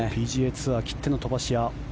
ＰＧＡツアーきっての飛ばし屋。